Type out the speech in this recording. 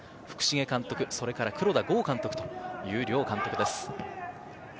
福重監督、それから黒田剛監督という両監督です。